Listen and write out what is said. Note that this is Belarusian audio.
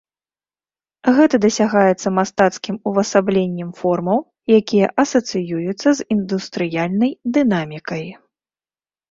Гэта дасягаецца мастацкім увасабленнем формаў, якія асацыююцца з індустрыяльнай дынамікай.